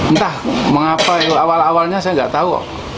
entah mengapa itu awal awalnya saya nggak tahu